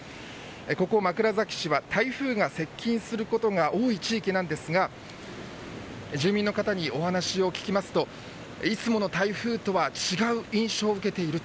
ここ枕崎市は台風が接近することが多い地域なんですが住民の方にお話を聞きますといつもの台風とは違う印象を受けている。